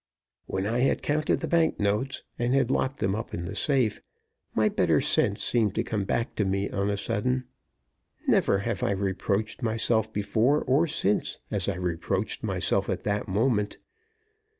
When I had counted the bank notes and had locked them up in the safe, my better sense seemed to come back to me on a sudden. Never have I reproached myself before or since as I reproached myself at that moment.